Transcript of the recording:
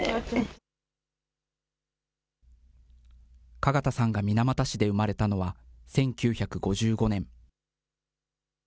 加賀田さんが水俣市で生まれたのは１９５５年。